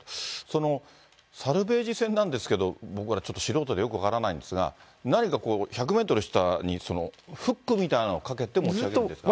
そのサルベージ船なんですけども、僕らちょっと素人でちょっと分からないんですが、何か１００メートル下に、フックみたいなのをかけて、持ち上げるんですか？